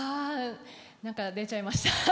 なんか出ちゃいました。